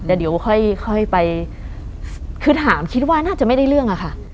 เดี๋ยวค่อยไปคือถามคิดว่าน่าจะไม่ได้เรื่องอะค่ะ